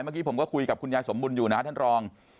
เมื่อกี้ผมก็คุยกับคุณยายสมบุญอยู่นะท่านรอง